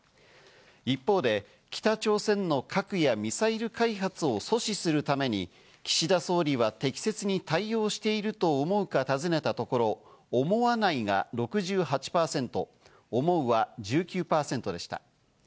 一方で北朝鮮の核やミサイル開発を阻止するために岸田総理は適切に対応してると思うか尋ねたところ、思わないが６８％、思うは１９％でした。